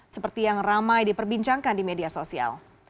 seperti yang ramai diperbincangkan di media sosial